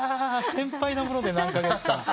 先輩なもので何カ月か。